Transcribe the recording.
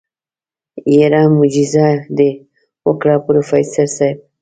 يره موجيزه دې وکړه پروفيسر صيب.